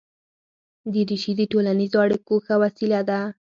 دریشي د ټولنیزو اړیکو ښه وسیله ده.